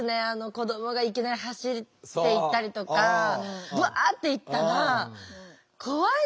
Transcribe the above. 子どもがいきなり走っていったりとかバッて行ったら怖いですしね。